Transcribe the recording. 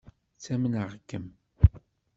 Ttamneɣ-kem.